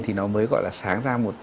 thì nó mới gọi là sáng ra một chút